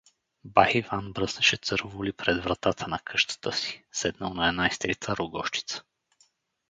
Бай Иван бръснеше цървули пред вратата на къщата си, седнал на една изтрита рогозчица.